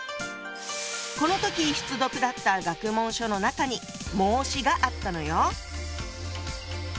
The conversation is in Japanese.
この時必読だった学問書の中に「孟子」があったのよ！